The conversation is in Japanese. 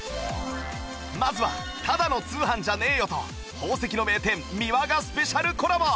まずは『タダの通販じゃねよ！』と宝石の名店ミワがスペシャルコラボ！